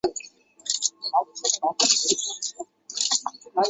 他是拜占庭贵族中最高贵的人。